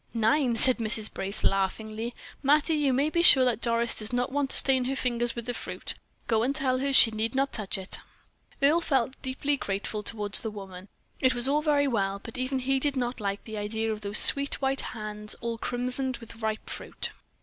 "Nine," said Mrs. Brace, laughingly. "Mattie, you may be sure that Doris does not want to stain her fingers with the fruit. Go and tell her she need not touch it." Earle felt deeply grateful toward the woman. It was all very well, but even he did not like the idea of those sweet white hands all crimsoned with ripe fruit.